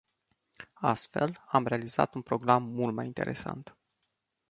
Astfel, am realizat un program mult mai interesant.